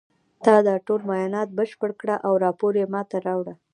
تا دا ټول معاینات بشپړ کړه او راپور یې ما ته راوړه